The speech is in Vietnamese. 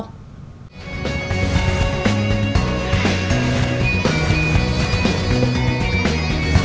hẹn gặp lại